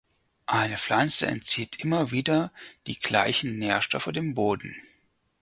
Eine Pflanze entzieht immer wieder die gleichen Nährstoffe dem Boden.